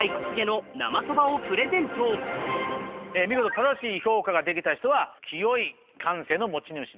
見事正しい評価ができた人は清い感性の持ち主だと。